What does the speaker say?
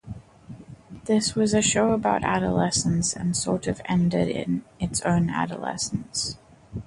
This was a show about adolescence and sort of ended in its own adolescence.